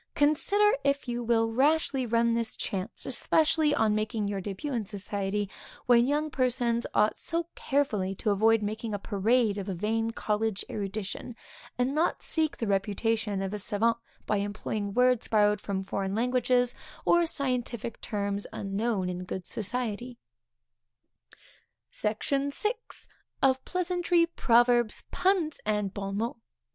Consider if you will rashly run this chance, especially on making your début in society, when young persons ought so carefully to avoid making a parade of a vain college erudition, and not seek the reputation of a savant by employing words borrowed from foreign languages, or scientific terms unknown in good society. SECTION VI. _Of Pleasantry, Proverbs, Puns, and Bon Mots.